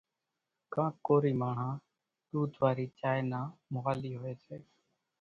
ڪانڪ ڪورِي ماڻۿان ۮوڌ وارِي چائيَ نان موالِي هوئيَ سي۔